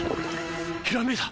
ひらめいた！